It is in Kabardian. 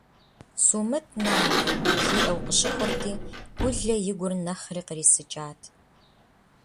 «Сумыт, нанэ!», – жиӀэу къыщыхъурти, Гулэ и гур нэхъри кърисыкӀат.